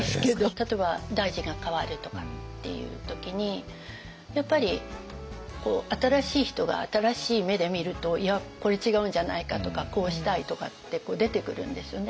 例えば大臣が代わるとかっていう時にやっぱり新しい人が新しい目で見ると「いやこれ違うんじゃないか」とか「こうしたい」とかって出てくるんですよね。